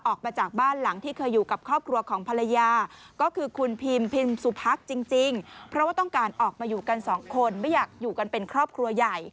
ออกมาจากบ้านหลังที่เคยอยู่กับครอบครัวของภรรยา